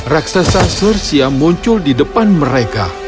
raksasa xerxes muncul di depan mereka